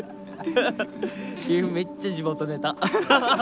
めっちゃ地元ネタ。